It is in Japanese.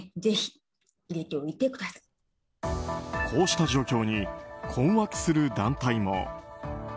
こうした状況に困惑する団体も。